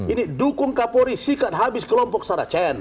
ini dukung kapolisi kan habis kelompok saracen